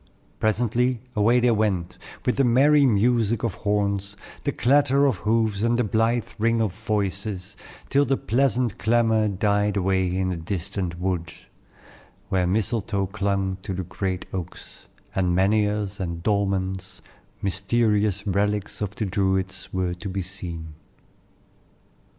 Presently, away they went, with the merry music of horns, the clatter of hoofs, and the blithe ring of voices, till the pleasant clamor died away in the distant woods, where mistletoe clung to the great oaks, and menhirs and dolmens, mysterious relics of the Druids, were to be seen.